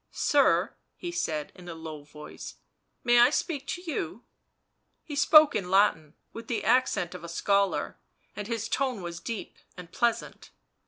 " Sir / 5 he said in a low voice, " may I speak to you V' He spoke in Latin, with the accent of a scholar, and his tone was deep and pleasant.